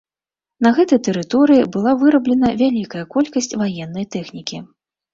На гэтай тэрыторыі была выраблена вялікая колькасць ваеннай тэхнікі.